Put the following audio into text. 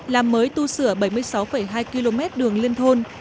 làm mới tu sửa bảy mươi sáu hai km đường liên thôn